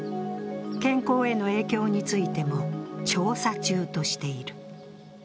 健康への影響についても、調査中としている。